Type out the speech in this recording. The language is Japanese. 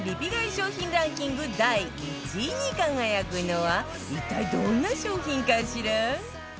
商品ランキング第１位に輝くのは一体どんな商品かしら？